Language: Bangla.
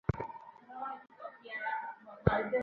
ওর চোখটা কানা করে দে!